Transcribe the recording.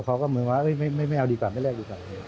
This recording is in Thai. เขาก็มึงว่าไม่เอาดีกว่าไม่ได้แรกดีกว่า